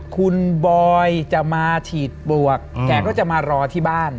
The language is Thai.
คุณบอยจะมาฉีดบวกแกก็จะมารอที่บ้าน